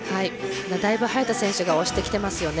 だいぶ早田選手が押してきてますよね。